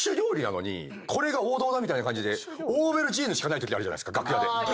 みたいな感じでオーベルジーヌしかないときあるじゃない楽屋で。